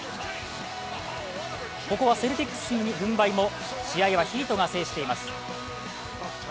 ここはセルティックスに軍配も試合はヒートが制しています。